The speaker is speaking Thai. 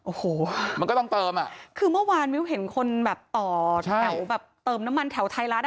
โอ้โหมันก็ต้องเติมอ่ะคือเมื่อวานมิ้วเห็นคนแบบต่อแถวแบบเติมน้ำมันแถวไทยรัฐอ่ะ